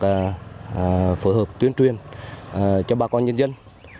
và phối hợp tuyên truyền cho bà con nhân dân